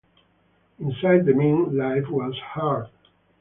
Inside the Mint, life was hard.